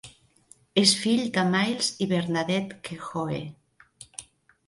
És fill de Myles i Bernadette Kehoe.